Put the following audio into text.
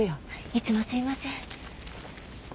いつもすいません。